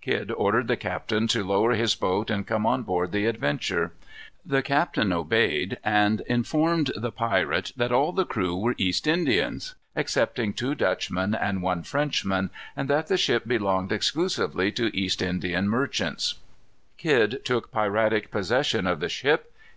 Kidd ordered the captain to lower his boat and come on board the Adventure. The captain obeyed and informed the pirate that all the crew were East Indians, excepting two Dutchmen and one Frenchman, and that the ship belonged exclusively to East Indian merchants. Kidd took piratic possession of the ship.